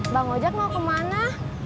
bang ojak mau kemana